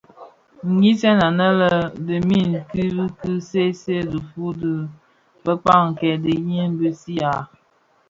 Nghisèn anèn bimid bi ki see see dhifuu di bekpag kè dhëňi bisi a.